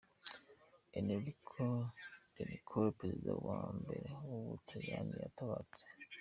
Enrico de Nicola, perezida wa mbere w’u Butaliyani yaratabarutse.